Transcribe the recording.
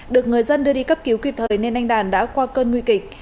được người dân đưa đi cấp cứu kịp thời nên anh đàn đã qua cơn nguy kịch